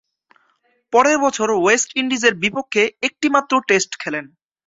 পরের বছর ওয়েস্ট ইন্ডিজের বিপক্ষে একটিমাত্র টেস্ট খেলেন।